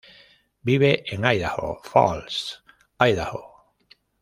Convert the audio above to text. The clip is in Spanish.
Vive en Idaho Falls, Idaho.